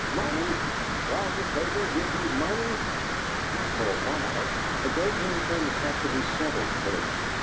MONEY? Roger Tabor give you MONEY?" "Not for a while. A great many things have to be settled first."